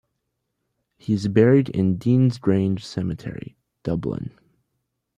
He is buried in Deansgrange Cemetery, Dublin.